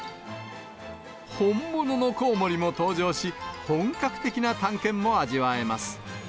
本物のコウモリも登場し、本格的な探検も味わえます。